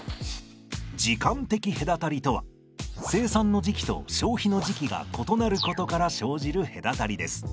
時間的隔たりとは生産の時期と消費の時期が異なることから生じる隔たりです。